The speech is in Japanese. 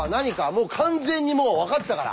もう完全に分かったから！